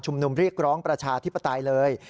นุมเรียกร้องประชาธิปไตยเลย